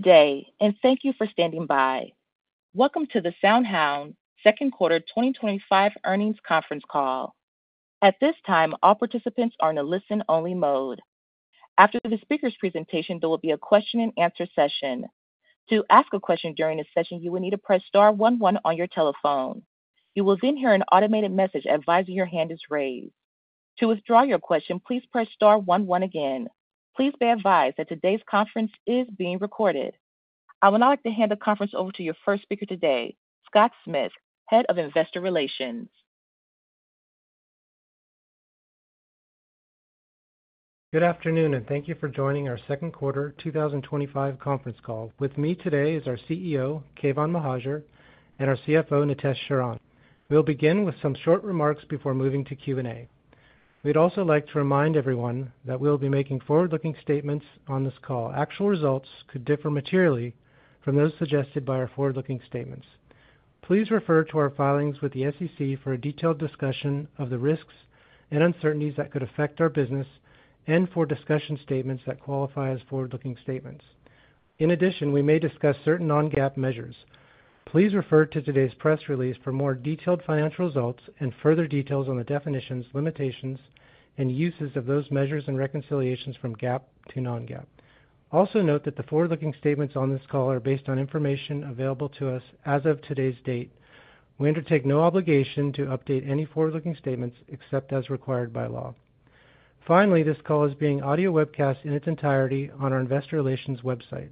Good day and thank you for standing by. Welcome to the SoundHound AI second quarter 2025 earnings conference call. At this time, all participants are in a listen-only mode. After the speaker's presentation, there will be a question and answer session. To ask a question during this session, you will need to press star one one on your telephone. You will then hear an automated message advising your hand is raised. To withdraw your question, please press star one one again. Please be advised that today's conference is being recorded. I would now like to hand the conference over to your first speaker today, Scott Smith, Head of Investor Relations. Good afternoon and thank you for joining our second quarter 2025 conference call. With me today is our CEO Keyvan Mohajer and our CFO Nitesh Sharan. We'll begin with some short remarks before moving to Q&A. We'd also like to remind everyone that we'll be making forward-looking statements on this call. Actual results could differ materially from those suggested by our forward-looking statements. Please refer to our filings with the SEC for a detailed discussion of the risks and uncertainties that could affect our business and for discussion, statements that qualify as forward-looking statements. In addition, we may discuss certain non-GAAP measures. Please refer to today's press release for more detailed financial results and further details on the definitions, limitations, and uses of those measures and reconciliations from GAAP to non-GAAP. Also note that the forward-looking statements on this call are based on information available to us as of today's date. We undertake no obligation to update any forward-looking statements except as required by law. Finally, this call is being audio webcast in its entirety on our investor relations website.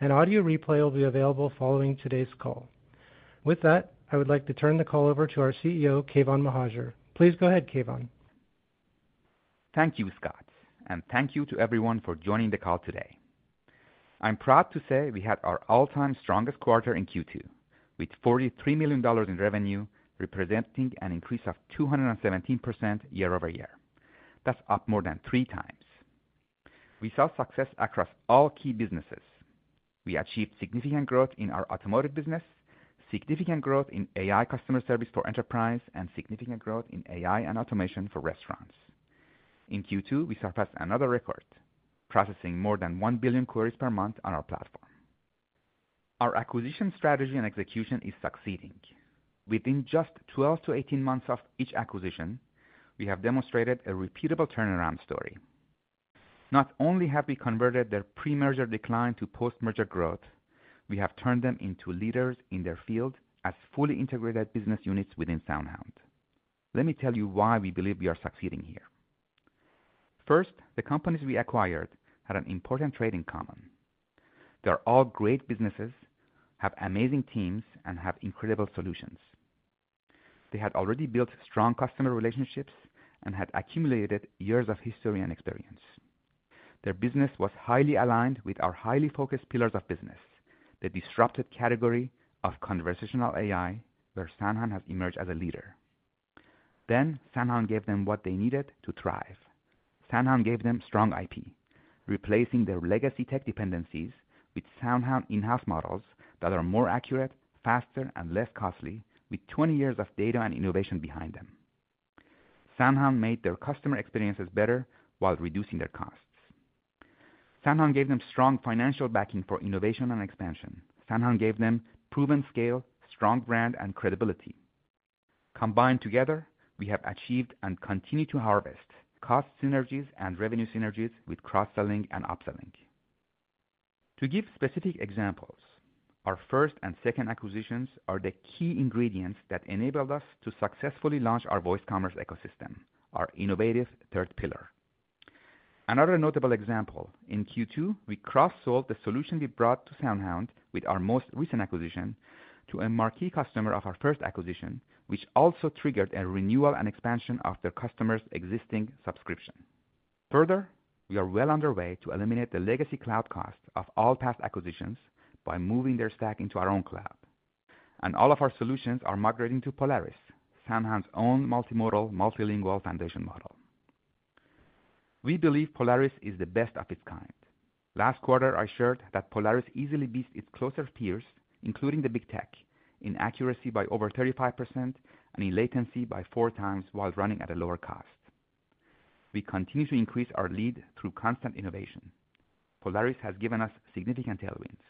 An audio replay will be available following today's call. With that, I would like to turn the call over to our CEO Keyvan Mohajer. Please go ahead, Keyvan. Thank you, Scott. Thank you to everyone for joining the call today. I'm proud to say we had our all-time strongest quarter in Q2 with $43 million in revenue, representing an increase of 217% year-over-year. That's up more than three times. We saw success across all key businesses. We achieved significant growth in our automotive business, significant growth in AI-powered customer service for enterprise, and significant growth in AI and automation for restaurant. In Q2, we surpassed another record, processing more than 1 billion queries per month on our platform. Our acquisition strategy and execution is succeeding. Within just 12-18 months of each acquisition, we have demonstrated a repeatable turnaround story. Not only have we converted their pre-merger decline to post-merger growth, we have turned them into leaders in their field as fully integrated business units within SoundHound AI. Let me tell you why we believe we are succeeding here. First, the companies we acquired had an important trait in common. They are all great businesses, have amazing teams, and have incredible solutions. They had already built strong customer relationships and had accumulated years of history and experience. Their business was highly aligned with our highly focused pillars of business, the disrupted category of conversational AI where SoundHound AI has emerged as a leader. SoundHound AI gave them what they needed to thrive. SoundHound AI gave them strong IP, replacing their legacy tech dependencies with SoundHound AI in-house models that are more accurate, faster, and less costly. With 20 years of data and innovation behind them, SoundHound AI made their customer experiences better while reducing their costs. SoundHound AI gave them strong financial backing for innovation and expansion. SoundHound AI gave them proven scale, strong brand, and credibility. Combined together, we have achieved and continue to harvest cost synergies and revenue synergies with cross-selling and upselling. To give specific examples, our first and second acquisitions are the key ingredients that enabled us to successfully launch our voice commerce ecosystem, our innovative third pillar. Another notable example is in Q2, we cross-sold the solution we brought to SoundHound AI with our most recent acquisition to a marquee customer of our first acquisition, which also triggered a renewal and expansion of their customer's existing subscription. Further, we are well underway to eliminate the legacy cloud cost of all past acquisitions by moving their stack into our own cloud, and all of our solutions are migrating to Polaris, SoundHound AI’s own multimodal, multilingual foundation model. We believe Polaris is the best of its kind. Last quarter I shared that Polaris easily beats its closest peers, including the big tech, in accuracy by over 35% and in latency by 4x, while running at a lower cost. We continue to increase our lead through constant innovation. Polaris has given us significant tailwinds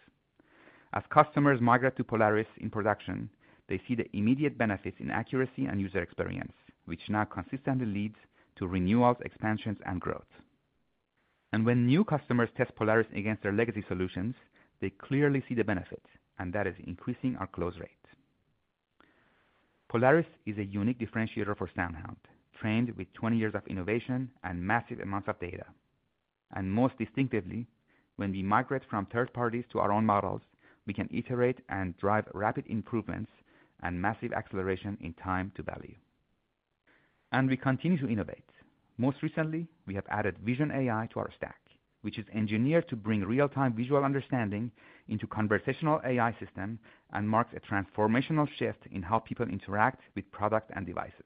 as customers migrate to Polaris in production. They see the immediate benefits in accuracy and user experience, which now consistently leads to renewals, expansions, and growth. When new customers test Polaris against their legacy solutions, they clearly see the benefit, and that is increasing our close rate. Polaris is a unique differentiator for SoundHound AI, trained with 20 years of innovation and massive amounts of data. Most distinctively, when we migrate from third parties to our own models, we can iterate and drive rapid improvements and massive acceleration in time to value, and we continue to innovate. Most recently, we have added vision AI to our stack, which is engineered to bring real-time visual understanding into conversational AI systems and marks a transformational shift in how people interact with products and devices.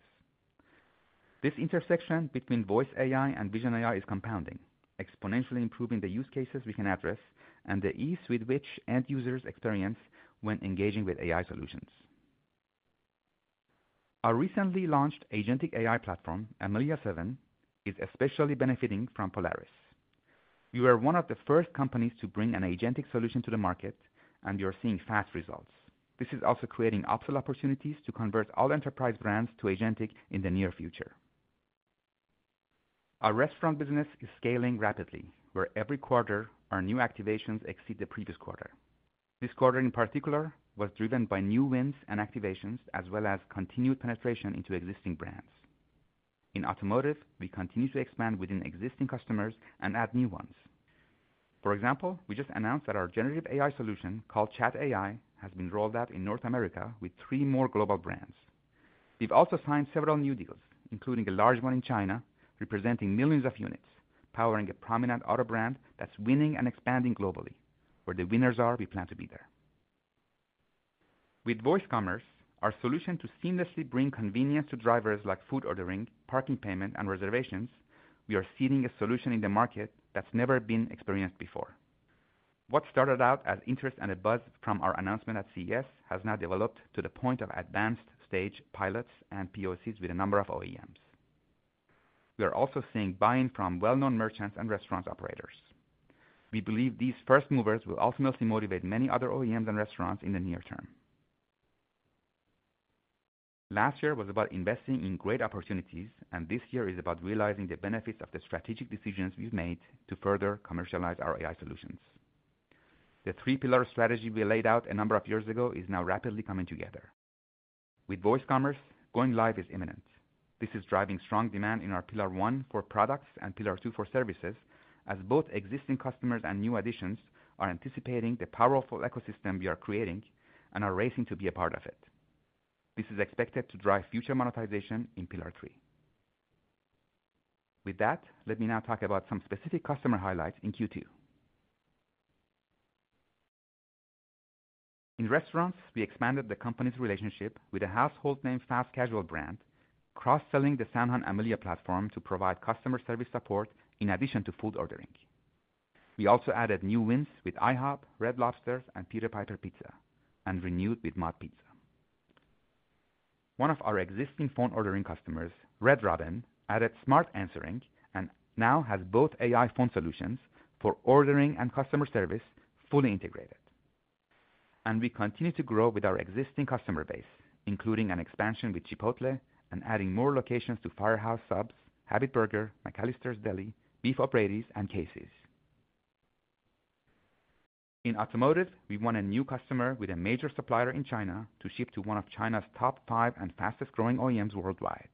This intersection between voice AI and vision AI is compounding, exponentially improving the use cases we can address and the ease with which end users experience when engaging with AI solutions. Our recently launched agentic AI platform, Amelia 7, is especially benefiting from Polaris. We were one of the first companies to bring an agentic solution to the market, and you're seeing fast results. This is also creating optional opportunities to convert all enterprise brands to agentic AI in the near future. Our restaurant business is scaling rapidly, where every quarter our new activations exceed the previous quarter. This quarter in particular was driven by new wins and activations as well as continued penetration into existing brands. In automotive, we continue to expand within existing customers and add new ones. For example, we just announced that our generative AI solution called SoundHound Chat AI Automotive has been rolled out in North America with three more global brands. We've also signed several new deals, including a large one in China representing millions of units powering a prominent auto brand that's winning and expanding globally. Where the winners are, we plan to be there with voice commerce, our solution to seamlessly bring convenience to drivers like food ordering, parking, payment, and reservations. We are seeding a solution in the market that's never been experienced before. What started out as interest and a buzz from our announcement at CES has now developed to the point of advanced stage pilots and POCs with a number of OEMs. We are also seeing buy-in from well-known merchants and restaurant operators. We believe these first movers will ultimately motivate many other OEMs and restaurants in the near term. Last year was about investing in great opportunities, and this year is about realizing the benefits of the strategic decisions we've made to further commercialize our AI solutions. The three-pillar strategy we laid out a number of years ago is now rapidly coming together with voice commerce. Going live is imminent. This is driving strong demand in our Pillar One for products and Pillar Two for services, as both existing customers and new additions are anticipating the powerful ecosystem we are creating and are racing to be a part of it. This is expected to drive future monetization in Pillar Three. With that, let me now talk about some specific customer highlights. In Q2 in restaurants, we expanded the company's relationship with a household name fast casual brand, cross-selling the SoundHound Amelia platform to provide customer service support in addition to food ordering. We also added new wins with IHOP, Red Lobster, and Peter Piper Pizza, and renewed with MOD Pizza, one of our existing phone ordering customers. Red Robin added Smart Answering and now has both AI phone solutions for ordering and customer service fully integrated, and we continue to grow with our existing customer base, including an expansion with Chipotle and adding more locations to Firehouse Subs, Habit Burger, McAlister's Deli, Beef 'O'Brady's, and Casey's. In automotive, we won a new customer with a major supplier in China to ship to one of China's top five and fastest-growing OEMs worldwide.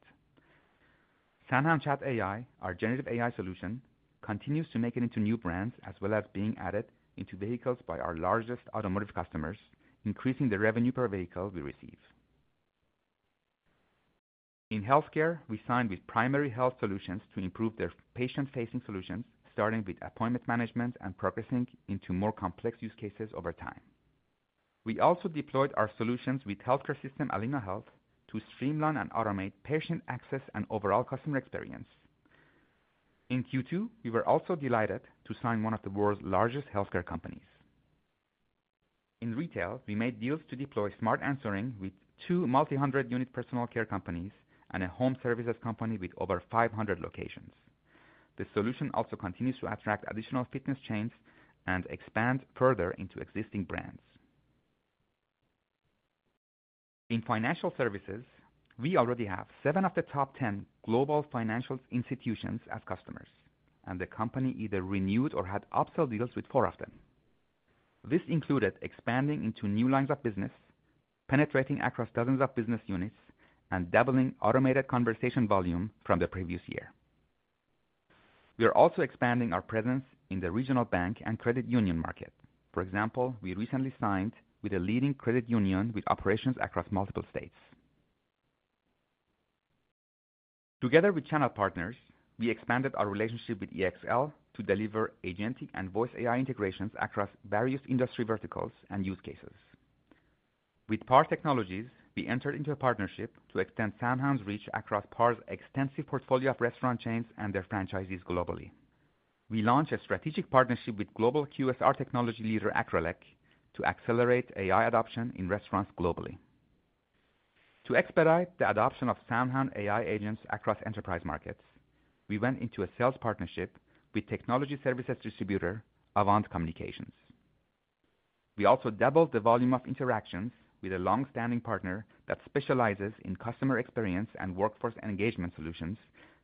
SoundHound Chat AI, our generative AI solution, continues to make it into new brands as well as being added into vehicles by our largest automotive customers, increasing the revenue per vehicle we receive. In healthcare, we signed with Primary Health Solutions to improve their patient-facing solution, starting with appointment management and progressing into more complex use cases over time. We also deployed our solutions with healthcare system Allina Health to streamline and automate patient access and overall customer experience. In Q2, we were also delighted to sign one of the world's largest healthcare companies. In retail, we made deals to deploy Smart Answering with two multi-hundred unit personal care companies and a home services company with over 500 locations. The solution also continues to attract additional fitness chains and expand further into existing brands. In financial services, we already have seven of the top 10 global financial institutions as customers and the company either renewed or had upsell deals with four of them. This included expanding into new lines of business, penetrating across dozens of business units, and doubling automated conversation volume from the previous year. We are also expanding our presence in the regional bank and credit union market. For example, we recently signed with a leading credit union with operations across multiple states. Together with Channel Partners, we expanded our relationship with EXL to deliver agentic and voice AI integrations across various industry verticals and use cases. With PAR Technology, we entered into a partnership to extend SoundHound AI's reach across PAR's extensive portfolio of restaurant chains and their franchisees globally. We launched a strategic partnership with global QSR technology leader Acrelec to accelerate AI adoption in restaurants globally. To expedite the adoption of SoundHound AI agents across enterprise markets, we went into a sales partnership with technology services distributor Avant Communications. We also doubled the volume of interactions with a longstanding partner that specializes in customer experience and workforce engagement solutions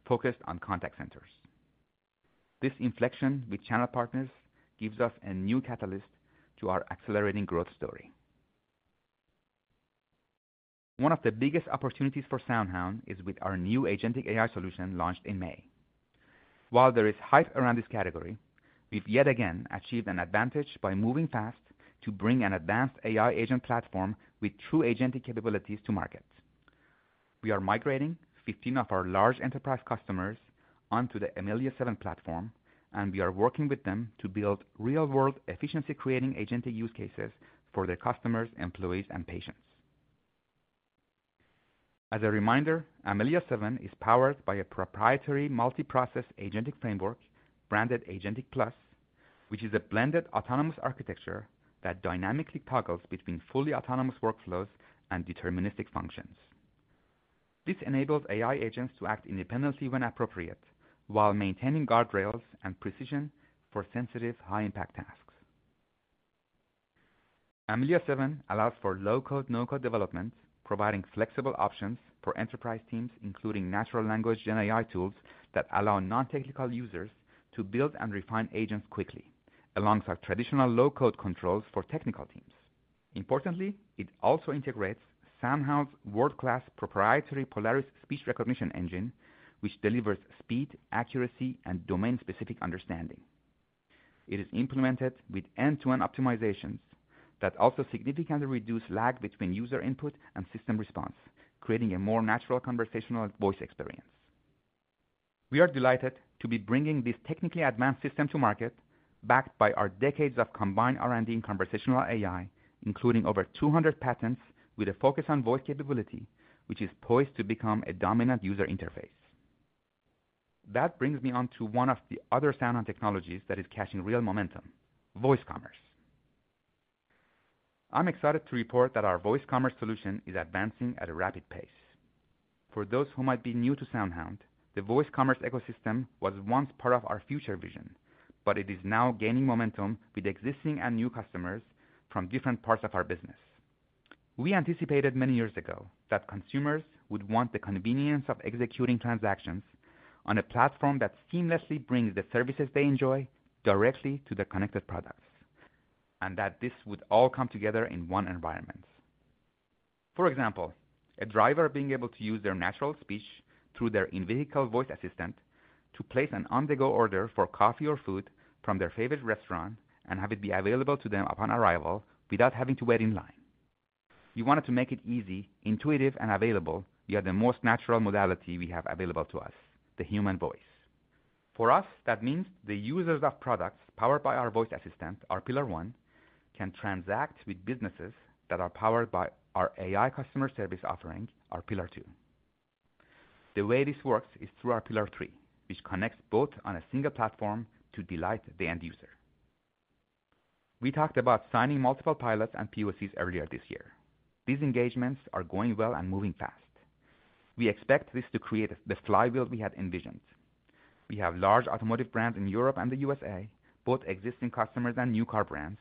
focused on contact centers. This inflection with Channel Partners gives us a new catalyst to our accelerating growth story. One of the biggest opportunities for SoundHound AI is with our new agentic AI solution launched in May. While there is hype around this category, we've yet again achieved an advantage by moving fast to bring an advanced AI agent platform with true agentic capabilities to market. We are migrating 15 of our large enterprise customers onto the Amelia 7 platform, and we are working with them to build real-world efficiency, creating agent use cases for their customers, customers, employees, and patients. As a reminder, Amelia 7 is powered by a proprietary multiprocess agentic framework branded Agentic Plus, which is a blended autonomous architecture that dynamically toggles between fully autonomous workflows and deterministic functions. This enables AI agents to act independently when appropriate while maintaining guardrails and precision for sensitive, high-impact tasks. Amelia 7 allows for low-code, no-code development, providing flexible options for enterprise teams, including natural language GenAI tools that allow non-technical users to build and refine agents quickly alongside traditional low-code controls for technical teams. Importantly, it also integrates SoundHound's world-class proprietary Polaris speech recognition engine, which delivers speed, accuracy, and domain-specific understanding. It is implemented with end-to-end optimizations that also significantly reduce lag between user input and system response, creating a more natural conversational voice experience. We are delighted to be bringing this technically advanced system to market, backed by our decades of combined R&D in conversational AI, including over 200 patents with a focus on voice capability, which is poised to become a dominant user interface. That brings me on to one of the other SoundHound AI technologies that is catching real momentum: voice commerce. I'm excited to report that our voice commerce solution is advancing at a rapid pace. For those who might be new to SoundHound AI, the voice commerce ecosystem was once part of our future vision, but it is now gaining momentum with existing and new customers from different parts of our business. We anticipated many years ago that consumers would want the convenience of executing transactions on a platform that seamlessly brings the services they enjoy directly to the connected products and that this would all come together in one environment. For example, a driver being able to use their natural speech through their in-vehicle voice assistant to place an on-the-go order for coffee or food from their favorite restaurant and have it be available to them upon arrival without having to wait in line. We wanted to make it easy, intuitive, and available via the most natural modality we have available to us, the human voice. For us, that means the users of products powered by our voice assistant pillar one can transact with businesses that are powered by our AI customer service offering pillar two. The way this works is through pillar three, which connects both on a single platform to delight the end user. We talked about signing multiple pilots and POCs earlier this year. These engagements are going well and moving fast. We expect this to create the flywheel we had envisioned. We have large automotive brands in Europe and the U.S., both existing customers and new car brands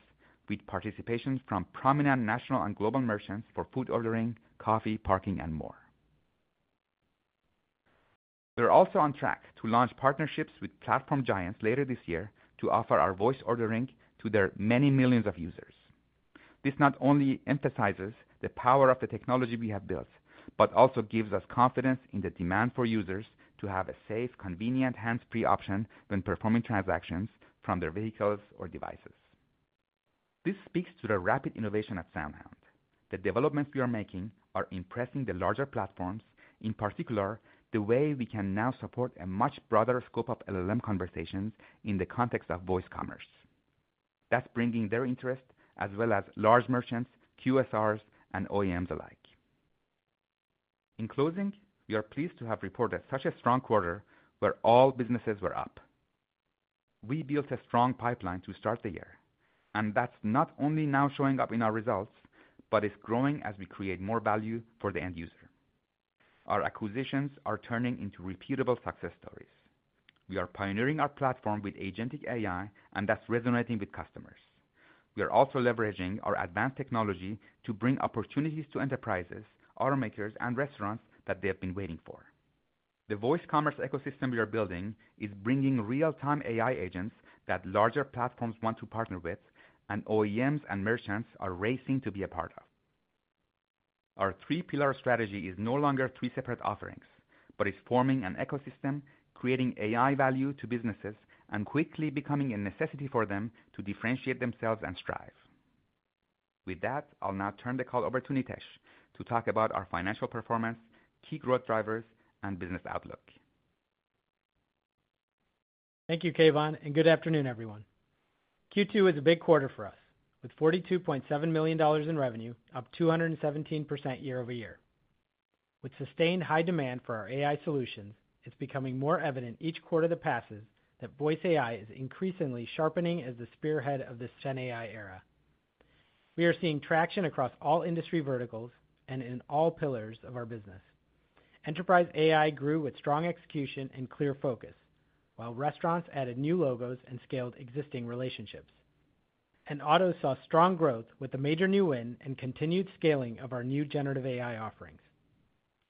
with participation from prominent national and global merchants for food ordering, coffee, parking, and more. We're also on track to launch partnerships with platform giants later this year to offer our voice ordering to their many millions of users. This not only emphasizes the power of the technology we have built, but also gives us confidence in the demand for users to have a safe, convenient, hands-free option when performing transactions from their vehicles or devices. This speaks to the rapid innovation at SoundHound AI. The developments we are making are impressing the larger platforms, in particular the way we can now support a much broader scope of LLM conversations in the context of voice commerce, thus bringing their interest as well as large merchants, QSRs, and OEMs alike. In closing, we are pleased to have reported such a strong quarter where all businesses were up. We built a strong pipeline to start the year and that's not only now showing up in our results, but it's growing as we create more value for the end user. Our acquisitions are turning into repeatable success stories. We are pioneering our platform with agentic AI and thus resonating with customers. We are also leveraging our advanced technology to bring opportunities to enterprises, automakers, and restaurants that they have been waiting for. The voice commerce ecosystem we are building is bringing real-time AI agents that larger platforms want to partner with and OEMs and merchants are racing to be a part of. Our three pillar strategy is no longer three separate offerings, but is forming an ecosystem creating AI value to businesses and quickly becoming a necessity for them to differentiate themselves and strive. With that, I'll now turn the call over to Nitesh to talk about our financial performance, key growth drivers, and business outlook. Thank you Keyvan and good afternoon everyone. Q2 is a big quarter for us with $42.7 million in revenue, up 217% year-over-year, with sustained high demand for our AI solutions. It's becoming more evident each quarter that passes that voice AI is increasingly sharpening. As the spearhead of this Gen AI era, we are seeing traction across all industry verticals and in all pillars of our business. Enterprise AI grew with strong execution and clear focus while restaurants added new logos and scaled existing relationships, and autos saw strong growth with the major new win and continued scaling of our new generative AI offerings.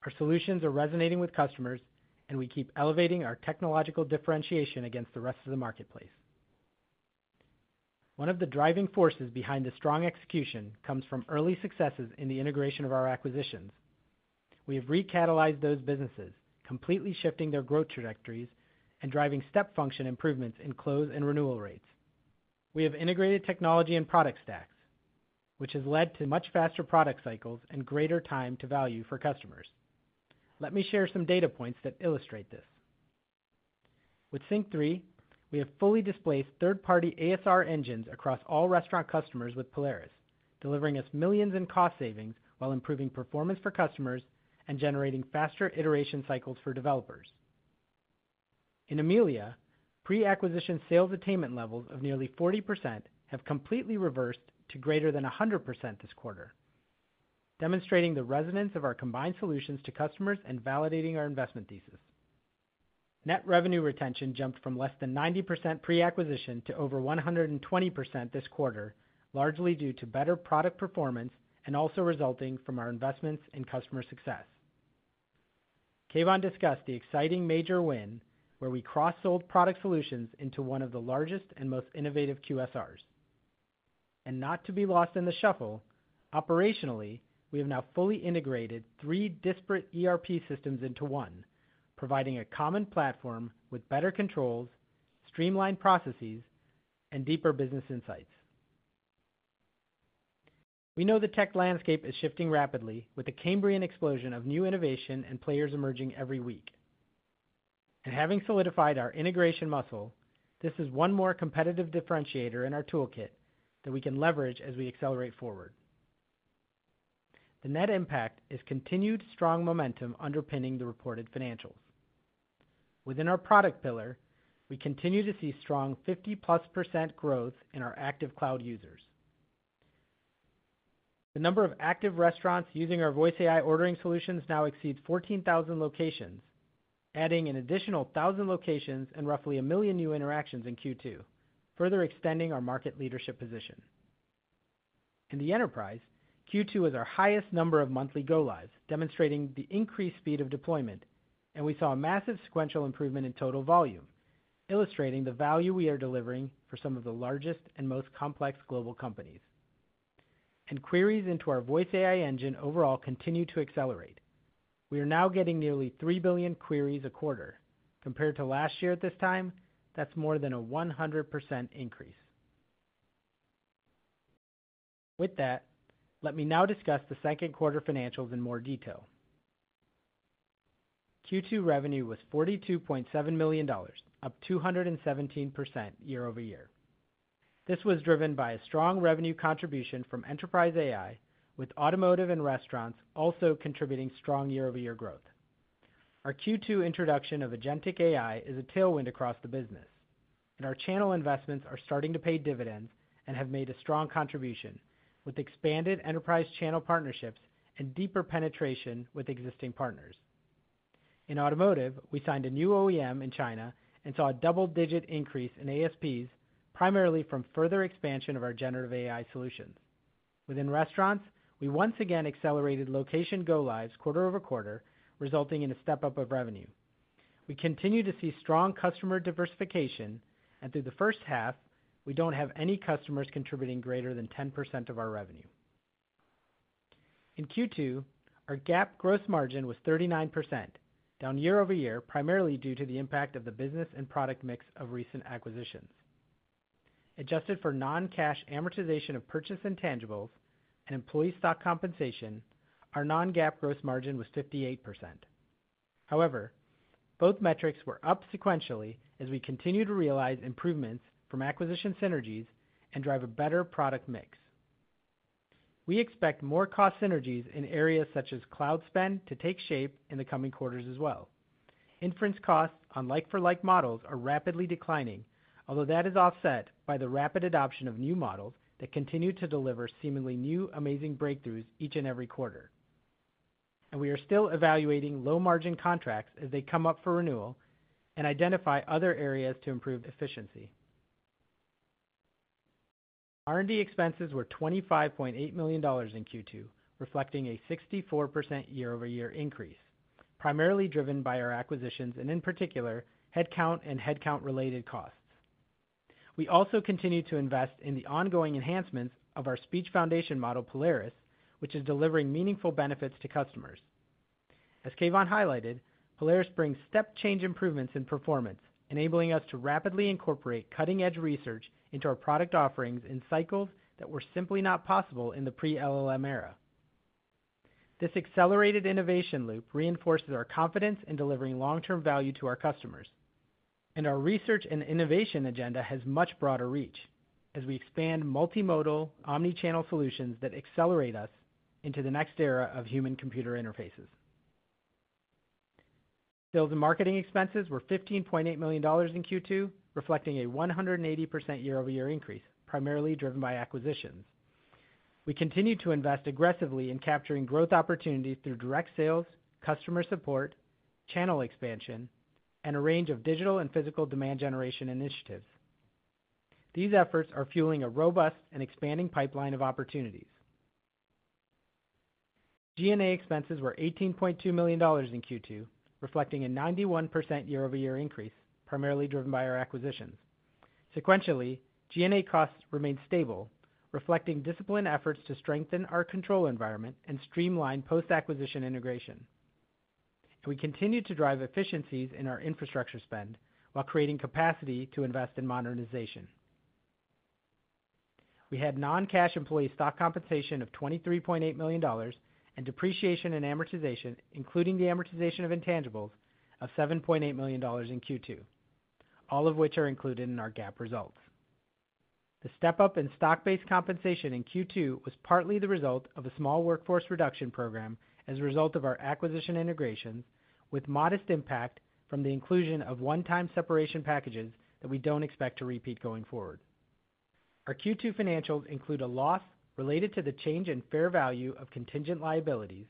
Our solutions are resonating with customers, and we keep elevating our technological differentiation against the rest of the marketplace. One of the driving forces behind the strong execution comes from early successes in the integration of our acquisitions. We have re-catalyzed those businesses completely, shifting their growth trajectories and driving step function improvements in close and renewal rates. We have integrated technology and product stacks, which has led to much faster product cycles and greater time to value for customers. Let me share some data points that illustrate this. With SYNQ3, we have fully displaced third-party ASR engines across all restaurant customers, with Polaris delivering us millions in cost savings while improving performance for customers and generating faster iteration cycles for developers. In Amelia, pre-acquisition sales attainment levels of nearly 40% have completely reversed to greater than 100% this quarter, demonstrating the resonance of our combined solutions to customers and validating our investment thesis. Net revenue retention jumped from less than 90% pre-acquisition to over 120% this quarter, largely due to better product performance and also resulting from our investments in customer success. Keyvan discussed the exciting major win where we cross-sold product solutions into one of the largest and most innovative QSRs. Not to be lost in the shuffle, operationally we have now fully integrated three disparate ERP systems into one, providing a common platform with better controls, streamlined processes, and deeper business insights. We know the tech landscape is shifting rapidly with the Cambrian explosion of new innovation and players emerging every week. Having solidified our integration muscle, this is one more competitive differentiator in our toolkit that we can leverage as we accelerate forward. The net impact is continued strong momentum underpinning the reported financials. Within our product pillar, we continue to see strong 50+% growth in our active cloud users. The number of active restaurants using our voice AI ordering solutions now exceeds 14,000 locations, adding an additional 1,000 locations and roughly a million new interactions in Q2, further extending our market leadership position in the enterprise. Q2 is our highest number of monthly go lives, demonstrating the increased speed of deployment, and we saw a massive sequential improvement in total volume, illustrating the value we are delivering for some of the largest and most complex global companies. Queries into our voice AI engine overall continue to accelerate. We are now getting nearly 3 billion queries a quarter compared to last year at this time. That's more than a 100% increase. With that, let me now discuss the second quarter financials in more detail. Q2 revenue was $42.7 million, up 217% year-over-year. This was driven by a strong revenue contribution from enterprise AI, with automotive and restaurants also contributing strong year-overyear growth. Our Q2 introduction of Agentic AI is a tailwind across the business, and our channel investments are starting to pay dividends and have made a strong contribution with expanded enterprise channel partnerships and deeper penetration with existing partners. In automotive, we signed a new OEM in China and saw a double-digit increase in ASPs, primarily from further expansion of our generative AI solutions. Within restaurants, we once again accelerated location go lives quarter over quarter, resulting in a step up of revenue. We continue to see strong customer diversification, and through the first half we don't have any customers contributing greater than 10% of our revenue. In Q2, our GAAP gross margin was 39%, down year-over-year primarily due to the impact of the business and product mix of recent acquisitions. Adjusted for non-cash amortization of purchase intangibles and employee stock compensation, our non-GAAP gross margin was 58%. However, both metrics were up sequentially. As we continue to realize improvements from acquisition synergies and drive a better product mix, we expect more cost synergies in areas such as cloud spend to take shape in the coming quarters as well. Inference costs on like-for-like models are rapidly declining, although that is offset by the rapid adoption of new models that continue to deliver seemingly new amazing breakthroughs each and every quarter. We are still evaluating low margin contracts as they come up for renewal and identify other areas to improve efficiency. R&D expenses were $25.8 million in Q2, reflecting a 64% year-over-year increase, primarily driven by our acquisitions and in particular headcount and headcount-related costs. We also continue to invest in the ongoing enhancements of our speech foundation model Polaris, which is delivering meaningful benefits to customers. As Keyvan highlighted, Polaris brings step change improvements in performance, enabling us to rapidly incorporate cutting-edge research into our product offerings in cycles that were simply not possible in the pre-LLM era. This accelerated innovation loop reinforces our confidence in delivering long-term value to our customers, and our research and innovation agenda has much broader reach as we expand multimodal omnichannel solutions that accelerate us into the next era of human-computer interfaces. Sales and Marketing expenses were $15.8 million in Q2, reflecting a 180% year-over-year increase, primarily driven by acquisitions. We continue to invest aggressively in capturing growth opportunities through direct sales, customer support, channel expansion, and a range of digital and physical demand generation initiatives. These efforts are fueling a robust and expanding pipeline of opportunities. G&A expenses were $18.2 million in Q2, reflecting a 91% year-over-year increase, primarily driven by our acquisitions. Sequentially, G&A costs remained stable, reflecting disciplined efforts to strengthen our control environment and streamline post-acquisition integration. We continue to drive efficiencies in our infrastructure spending while creating capacity to invest in modernization. We had non-cash employee stock compensation of $23.8 million and depreciation and amortization, including the amortization of intangibles, of $7.8 million in Q2, all of which are included in our GAAP results. The step up in stock-based compensation in Q2 was partly the result of a small workforce reduction program as a result of our acquisition integration, with modest impact from the inclusion of one-time separation packages that we don't expect to repeat going forward. Our Q2 financials include a loss related to the change in fair value of contingent liabilities,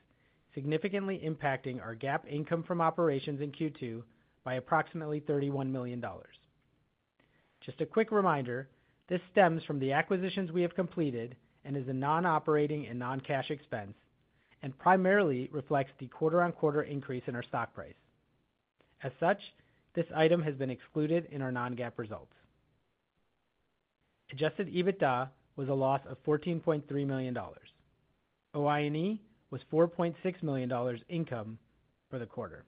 significantly impacting our GAAP income from operations in Q2 by approximately $31 million. Just a quick reminder, this stems from the acquisitions we have completed and is a non-operating and non-cash expense and primarily reflects the quarter-on-quarter increase in our stock price. As such, this item has been excluded in our non-GAAP results. Adjusted EBITDA was a loss of $14.3 million, OIE was $4.6 million. Income for the quarter,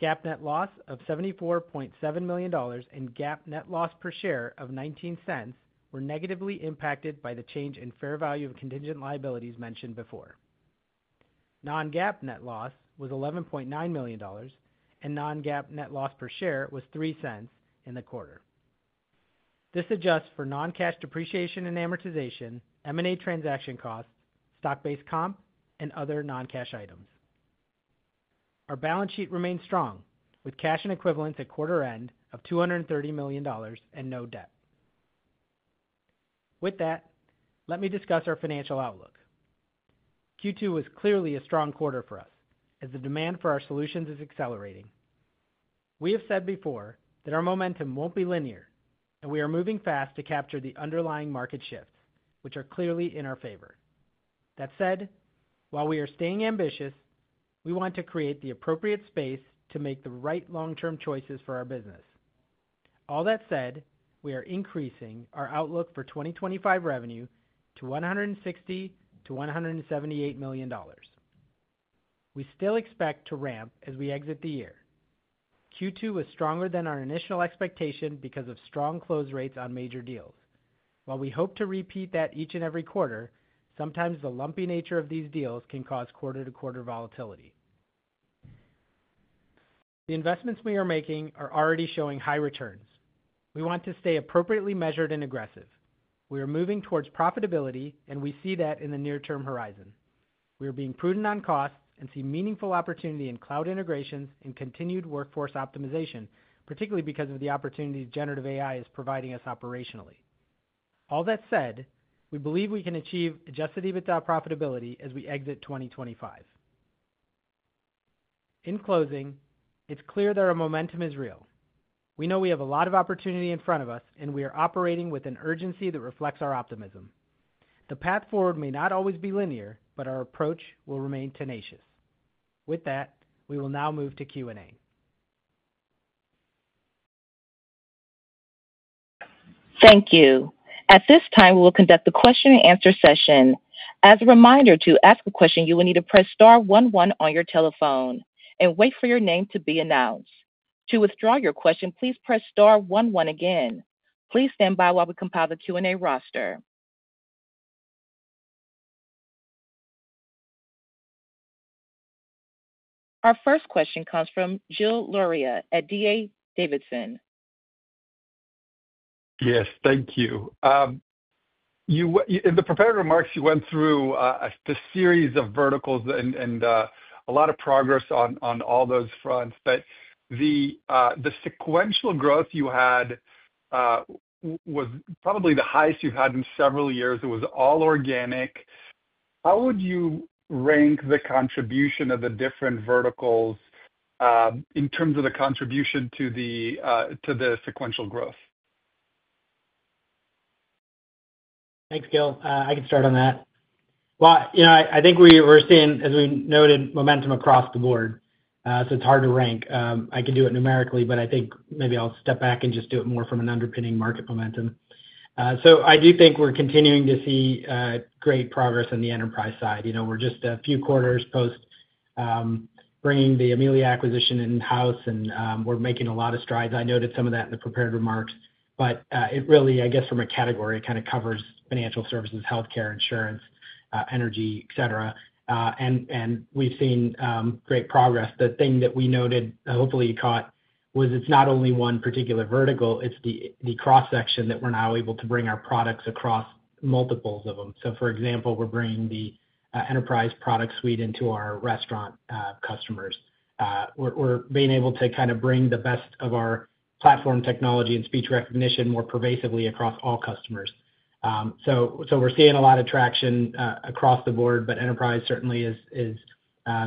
GAAP net loss of $74.7 million and GAAP net loss per share of $0.19, were negatively impacted by the change in fair value of contingent liabilities mentioned before. Non-GAAP net loss was $11.9 million and non-GAAP net loss per share was $0.03 in the quarter. This adjusts for non-cash depreciation and amortization, M&A transaction costs, stock-based comp, and other non-cash items. Our balance sheet remains strong with cash and equivalents at quarter end of $230 million and no debt. With that, let me discuss our financial outlook. Q2 was clearly a strong quarter for us as the demand for our solutions is accelerating. We have said before that our momentum won't be linear and we are moving fast to capture the underlying market shifts which are clearly in our favor. That said, while we are staying ambitious, we want to create the appropriate space to make the right long-term choices for our business. All that said, we are increasing our outlook for 2025 revenue to $160 to $178 million. We still expect to ramp as we exit the year. Q2 was stronger than our initial expectation because of strong close rates on major deals. While we hope to repeat that each and every quarter, sometimes the lumpy nature of these deals can cause quarter-to-quarter volatility. The investments we are making are already showing high returns. We want to stay appropriately measured and aggressive. We are moving towards profitability and we see that in the near-term horizon, we are being prudent on cost and see meaningful opportunity in cloud integrations and continued workforce optimization, particularly because of the opportunities generative AI is providing us operationally. All that said, we believe we can achieve adjusted EBITDA profitability as we exit 2025. In closing, it's clear that our momentum is real. We know we have a lot of opportunity in front of us, and we are operating with an urgency that reflects our optimism. The path forward may not always be linear, but our approach will remain tenacious. With that, we will now move to Q&A. Thank you. At this time, we will conduct the question and answer session. As a reminder, to ask a question, you will need to press Star one one on your telephone and wait for your name to be announced. To withdraw your question, please press Star one one again. Please stand by while we compile the Q&A roster. Our first question comes from Gil Luria at D.A. Davidson. Yes, thank you. In the prepared remarks, you went through the series of verticals and a lot of progress on all those fronts. The. The sequential growth you had was probably the highest you've had in several years. It was all organic. How would you rank the contribution of the different verticals in terms of the contribution to the sequential growth? Thanks, Gil. I can start on that. I think we were seeing, as we noted, momentum across the board, so it's hard to rank. I could do it numerically, but I think maybe I'll step back and just do it more from an underpinning market momentum. I do think we're continuing to see great progress on the Enterprise side. We're just a few quarters post bringing the Amelia acquisition in house, and we're making a lot of strides. I noted some of that in the prepared remarks, but it really, I guess from a category, it kind of covers financial services, healthcare, insurance, energy, etc. We've seen great progress. The thing that we noted, hopefully you caught, was it's not only one particular vertical. It's the cross section that we're now able to bring our products across multiples of them. For example, we're bringing the Enterprise product suite into our restaurant customers. We're being able to kind of bring the best of our platform technology and speech recognition more pervasively across all customers. We're seeing a lot of traction across the board, but Enterprise certainly is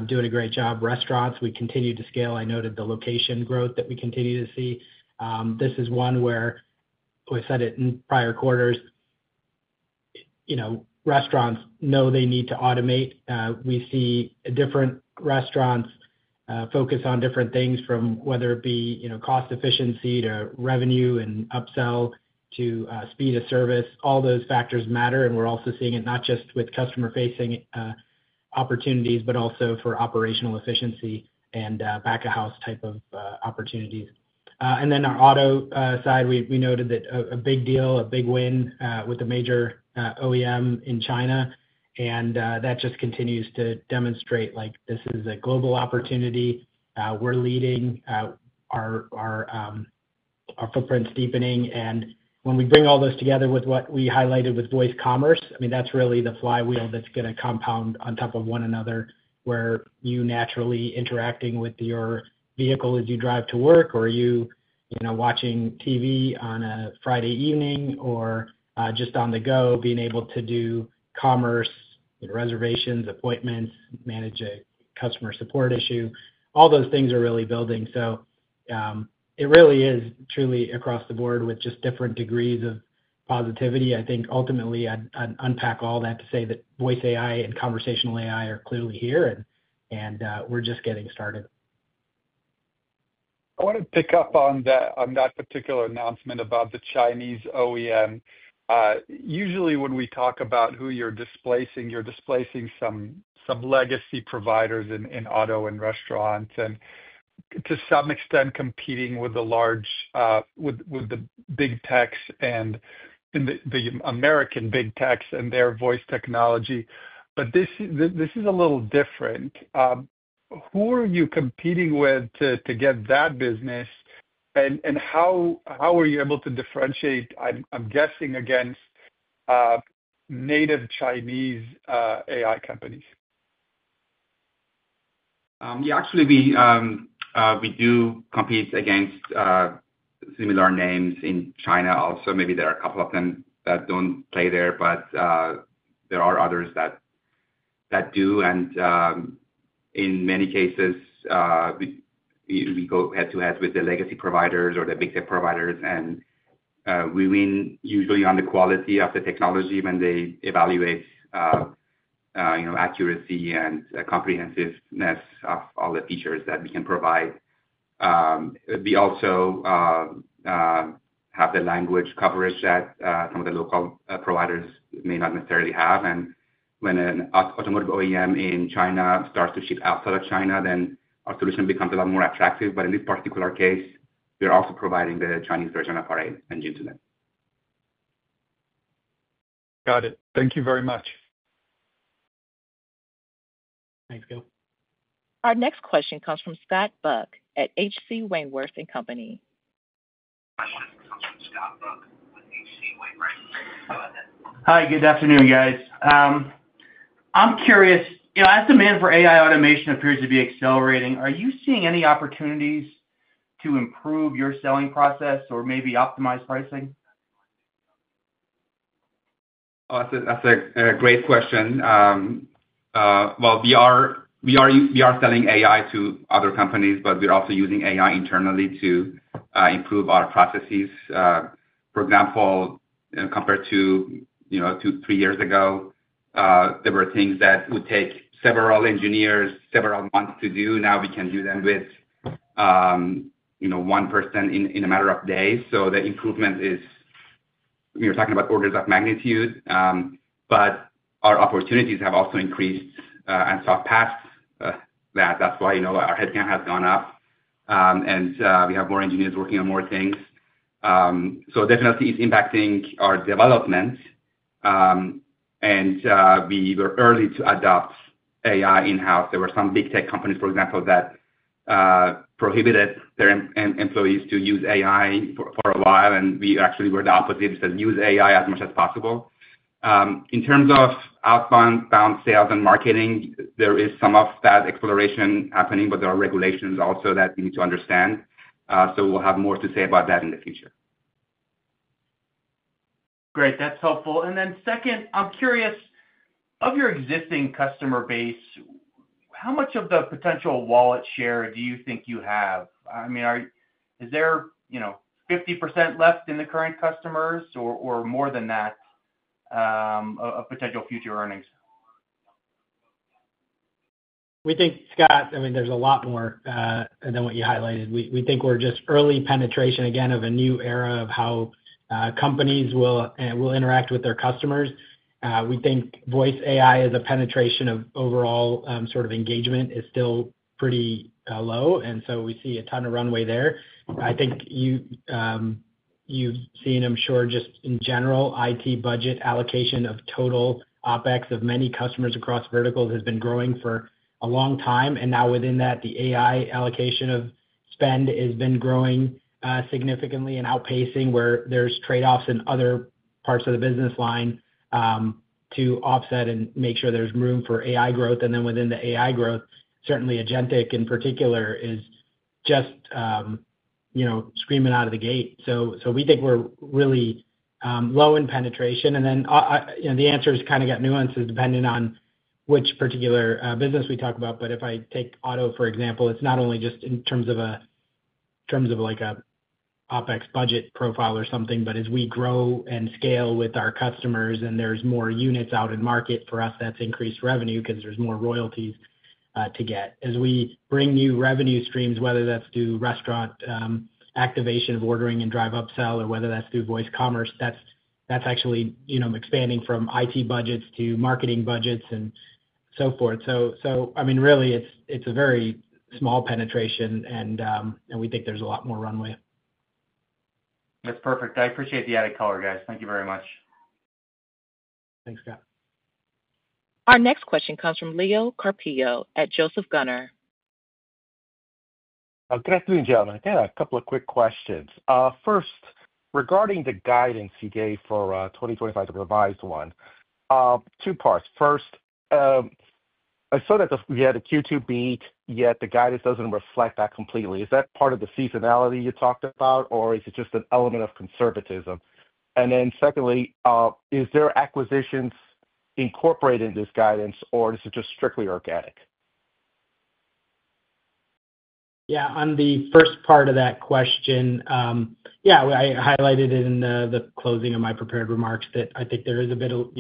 doing a great job. Restaurants, we continue to scale. I noted the location growth that we continue to see. This is one where we said it in prior quarters, restaurants know they need to automate. We see different restaurants focus on different things from whether it be cost efficiency to revenue and upsell to speed of service. All those factors matter. We're also seeing it not just with customer facing opportunities, but also for operational efficiency and back of house type of opportunities. Our auto side, we noted that a big deal, a big win with the major OEM in China and that just continues to demonstrate like this is a global opportunity, we're leading, our footprint's deepening. When we bring all this together with what we highlighted with voice commerce, I mean that's really the flywheel that's going to compound on top of one another where you naturally interacting with your vehicle as you drive to work, or you watching TV on a Friday evening or just on the go, being able to do commerce, reservations, appointments, manage a customer support issue, all those things are really building. It really is truly across the board with just different degrees of positivity. I think ultimately I'd unpack all that to say that voice AI and conversational AI are clearly here and we're just getting started. I want to pick up on that particular announcement about the Chinese OEM. Usually when we talk about who you're displacing, you're displacing some legacy providers in auto and restaurants and to some extent competing with the big techs and the American big techs and their voice technology. This is a little different. Who are you competing with to get that business, and how are you able to differentiate, I'm guessing against native Chinese AI companies? Yeah, actually we do compete against similar names in China also. There are a couple of them that don't play there, but there are others that do. In many cases, yes. We go ahead. To head with the legacy providers or the big tech providers, and we win usually on the quality of the technology when they evaluate accuracy and comprehensiveness of all the features that we can provide. We also have the language coverage that some of the local providers may not necessarily have. When an automotive OEM in China starts to ship outside of China, our solution becomes a lot more attractive. In this particular case, we are also providing the Chinese version of our engine to them. Got it. Thank you very much. Thanks, Gil. Our next question comes from Scott Smith at H.C. Wainwright & Co. Hi, good afternoon, guys. I'm curious, as demand for AI automation increases. Appears to be accelerating. Are you seeing? Any opportunities to improve your selling process or maybe optimize pricing? That's a great question. We are selling AI to other companies, but we're also using AI internally to improve our processes. For example, compared to three years ago, there were things that would take several engineers several months to do. Now we can do them with 1% in a matter of days. The improvement is, you're talking about orders of magnitude. Our opportunities have also increased and so passed that. That's why our headcount has gone up and we have more engineers working on more things. Definitely it's impacting our development. We were early to adopt AI in house. There were some big tech companies, for example, that prohibited their employees to use AI for a while. We actually were the opposite. We said use AI as much as possible. In terms of outbound SoundHound AI sales and marketing, there is some of that exploration happening, but there are regulations also that we need to understand. We'll have more to say about. That in the future. Great, that's helpful. I'm curious, of your. Existing customer base, how much of the potential wallet share do you think you have? I mean, is there, you know, 50%? Left in the current customers or more than that of potential future earnings? We think, Scott, I mean there's a lot more than what you highlighted. We think we're just early penetration again of a new era of how companies will interact with their customers. We think voice AI as a penetration of overall sort of engagement is still pretty low, and we see a ton of runway there. I think you've seen, I'm sure just in general, IT budget allocation of total OpEx of many customers across verticals has been growing for a long time. Now within that, the AI allocation of spend has been growing significantly and outpacing where there's trade-offs in other parts of the business line to offset and make sure there's room for AI growth. Within the AI growth, certainly agentic in particular is just, you know, screaming out of the gate. We think we're really low in penetration and then the answer is kind of got nuances depending on which particular business we talk about. If I take auto for example, it's not only just in terms of a, in terms of like an OpEx budget profile or something, but as we grow and scale with our customers and there's more units out in market for us, that's increased revenue because there's more royalties to get as we bring new revenue streams, whether that's through restaurant activation of ordering and drive upsell or whether that's through voice commerce. That's actually, you know, expanding from IT budgets to marketing budgets and so forth. It's a very small penetration, and we think there's a lot more runway. That's perfect. I appreciate the added color, guys. Thank you very much. Thanks, Scott. Our next question comes from Leo Carpio at Joseph Gunnar. Good afternoon, gentlemen. I have a couple of quick questions. First, regarding the guidance you gave for 2025, the revised one, two parts. First, I saw that we had a Q2 beat, yet the guidance doesn't reflect that completely. Is that part of the seasonality you talked about, or is it just an element of conservatism? Secondly, are there acquisitions incorporated in this guidance or is it just strictly organic? Yeah, on the first part of that question. Yeah. I highlighted it in the closing of my prepared remarks that I think there is a bit of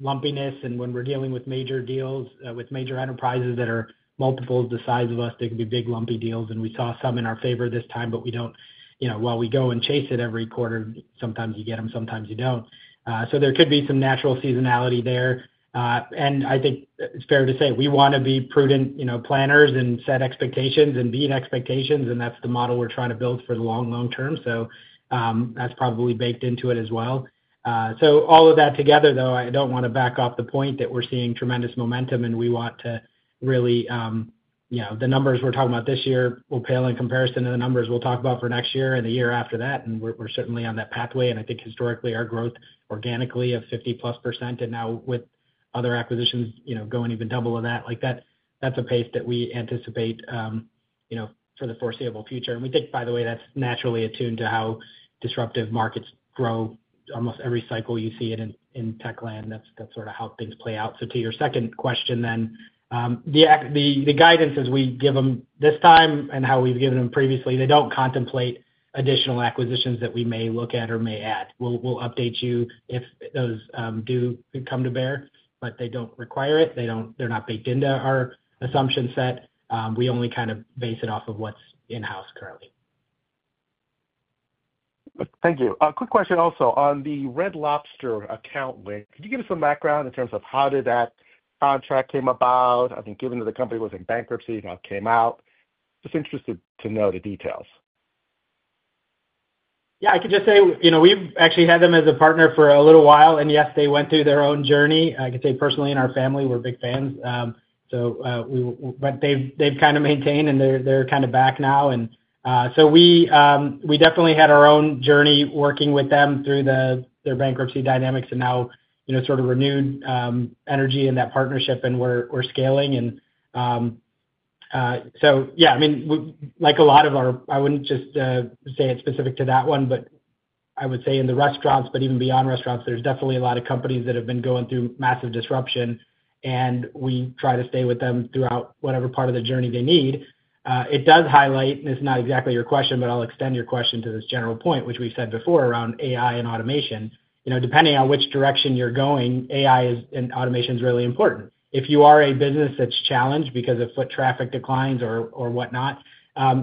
lumpiness. When we're dealing with major deals. With major enterprises that are multiples the size of us, they could be big, lumpy deals. We saw some in our favor this time, but we don't, you know, while we go and chase it every quarter, sometimes you get them, sometimes you don't. There could be some natural seasonality there. I think it's fair to say we want to be prudent planners and set expectations and beat expectations, and that's the model we're trying to build for the long, long term. That's probably baked into it as well. All of that together, though, I don't want to back off the point that we're seeing tremendous momentum and we want to really, you know, the numbers we're talking about this year will pale in comparison to the numbers we'll talk about for next year and the year after that. We're certainly on that pathway. I think historically, our growth organically of 50+% and now with other acquisitions, you know, going even double of that like that, that's a pace that we anticipate, you know, for the foreseeable future. We think, by the way, that's naturally attuned to how disruptive markets grow almost every cycle. You see it in Techland. That's sort of how things play out. To your second question then, the guidance as we give them this time and how we've given them previously, they don't contemplate additional acquisitions that we may look at or may add. We'll update you if those do come to bear. They don't require it. They're not baked into our assumption set. We only kind of base it off of what's in house currently. Thank you. A quick question also on the Red Lobster. Lobster account link, could you give us. Some background in terms of how did. That contract came about? I think given that the company was. In bankruptcy now, came out. Just interested to know the details. Yeah, I could just say, you know, we've actually had them as a partner for a little while and yes, they went through their own journey. I could say personally in our family, we're big fans. They've kind of maintained and they're kind of back now. We definitely had our own journey working with them through their bankruptcy dynamics and now, you know, sort of renewed energy in that partnership and we're scaling. I mean, like a lot of our, I wouldn't just say it's specific to that one, but I would say in the restaurants, but even beyond restaurants, there's definitely a lot of companies that have been going through massive disruption and we try to stay with them throughout whatever part of the journey they need. It does highlight, and it's not exactly your question, but I'll extend your question to this general point, which we said. Before, around AI and automation. Depending on which direction you're going, AI is, and automation is really important. If you are a business that's challenged because of foot traffic declines or whatnot,